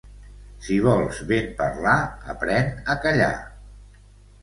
Si vols ben parlar, aprèn a callar.